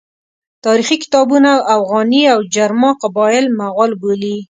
تاریخي کتابونه اوغاني او جرما قبایل مغول بولي.